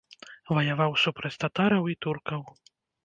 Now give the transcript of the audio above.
Ваяваў супраць татараў і туркаў.